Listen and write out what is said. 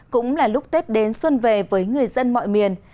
cũng là lúc tết đến xuân về với người dân mọi miền